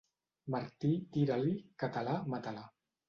Martí, tira-li; català, mata-la.